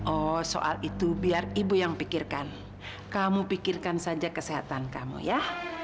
oh soal itu biar ibu yang pikirkan kamu pikirkan saja kesehatan kamu ya